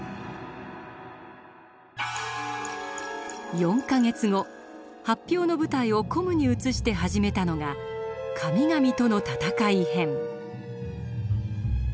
４か月後発表の舞台を「ＣＯＭ」に移して始めたのが「神々との闘い編」。